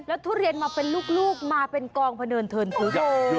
แล้วทุเรียนมาเป็นลูกมาเป็นกองพนันเทินทุก